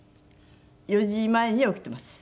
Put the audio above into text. ４時前には起きてます。